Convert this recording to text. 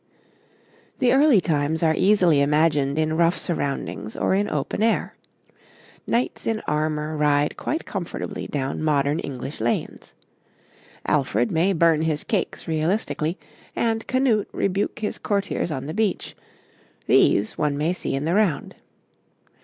}] The early times are easily imagined in rough surroundings or in open air; knights in armour ride quite comfortably down modern English lanes. Alfred may burn his cakes realistically, and Canute rebuke his courtiers on the beach these one may see in the round.